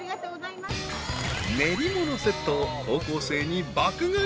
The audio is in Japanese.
［練り物セットを高校生に爆買い］